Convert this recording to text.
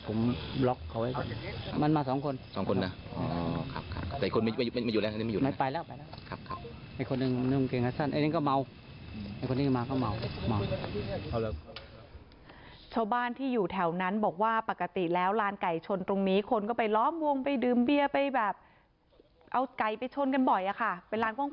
ผมก็ผมก็วิ่งมาเลยผมก็วิ่งมาปุ๊บผมบล็อกเขาไว้ก่อน